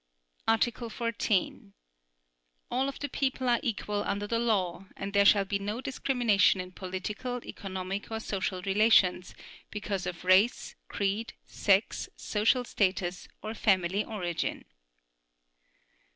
Article 14. All of the people are equal under the law and there shall be no discrimination in political, economic or social relations because of race, creed, sex, social status or family origin.